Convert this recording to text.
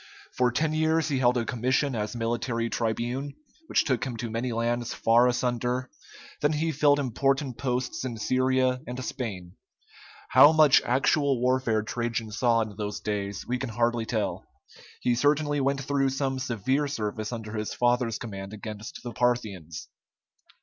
For ten years he held a commission as military tribune, which took him to many lands far asunder; then he filled important posts in Syria and Spain. How much actual warfare Trajan saw in those days we can hardly tell; he certainly went through some severe service under his father's command against the Parthians.